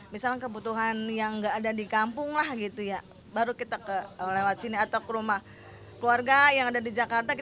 misalnya kebutuhan yang gak ada di kampung lah gitu ya baru kita lewat sini atau ke rumah keluarga yang ada di jakarta